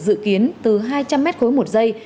dự kiến từ hai trăm linh m ba một giây